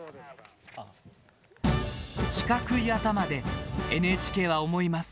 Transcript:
四角い頭でＮＨＫは思います。